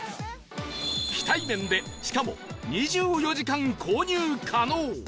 非対面でしかも２４時間購入可能